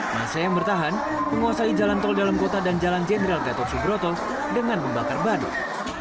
masa yang bertahan menguasai jalan tol dalam kota dan jalan jenderal gatot subroto dengan membakar badut